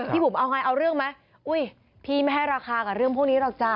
พี่บุ๋มเอาเรื่องไหมพี่ไม่ให้ราคากับเรื่องพวกนี้หรอกจ้ะ